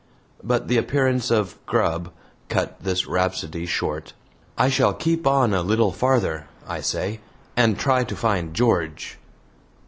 But the appearance of "grub" cut this rhapsody short. "I shall keep on a little farther," I say, "and try to find George."